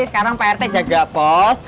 sekarang pak rete jaga pos